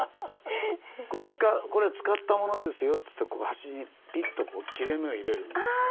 これは使ったものですよっつってこう端ピッとこう切れ目を入れるんですよ。